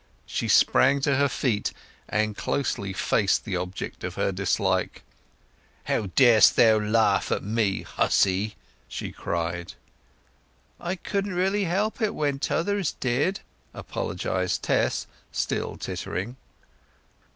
She sprang to her feet and closely faced the object of her dislike. "How darest th' laugh at me, hussy!" she cried. "I couldn't really help it when t'others did," apologized Tess, still tittering.